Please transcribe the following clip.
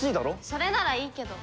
それならいいけど。